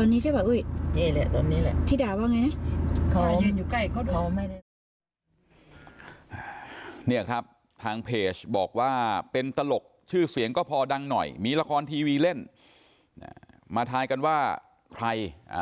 เนี่ยครับทางเพจบอกว่าเป็นตลกชื่อเสียงก็พอดังหน่อยมีละครทีวีเล่นมาทายกันว่าใครอ่า